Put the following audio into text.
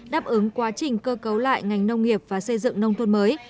đáp ứng quá trình cơ cấu lại ngành nông nghiệp và xây dựng nông thôn mới